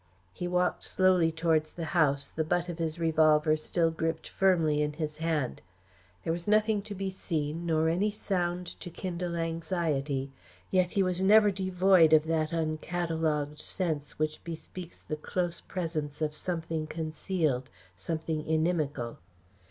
He walked slowly towards the house, the butt of his revolver still gripped firmly in his hand. There was nothing to be seen nor any sound to kindle anxiety, yet he was never devoid of that uncatalogued sense which bespeaks the close presence of something concealed, something inimical.